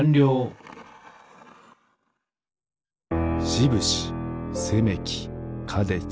しぶしせめきかでち。